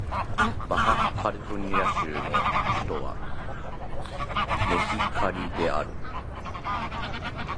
バハ・カリフォルニア州の州都はメヒカリである